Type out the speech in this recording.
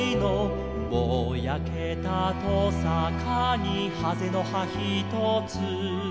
「ぼやけたとさかにはぜの葉ひとつ」